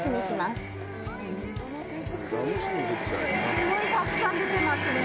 すごいたくさん出てますね。